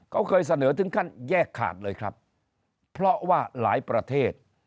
เขาเคยเสนอถึงขั้นแยกขาดเลยครับเพราะว่าหลายประเทศ